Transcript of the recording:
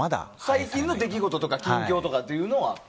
最近の出来事とか近況とかっていうのは。